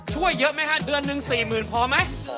ช่วยเยอะไหมฮะเดือนหนึ่ง๔๐๐๐พอไหม